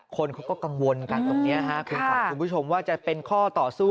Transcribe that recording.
คนเขาก็กังวลกันตรงนี้ฮะคุณขวัญคุณผู้ชมว่าจะเป็นข้อต่อสู้